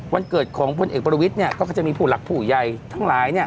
วันเกิดของพลเอกประวิทย์ก็จะมีผู้หลักผู้ใหญ่ทั้งหลาย